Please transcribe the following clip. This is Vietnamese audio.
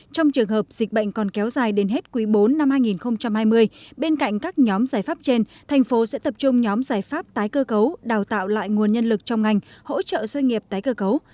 trong trường hợp dịch bệnh còn kéo dài đến hết quý bốn năm hai nghìn hai mươi bên cạnh các nhóm giải pháp trên thành phố sẽ tập trung nhóm giải pháp tái cơ cấu đào tạo lại nguồn nhân lực trong ngành hỗ trợ doanh nghiệp tái cơ cấu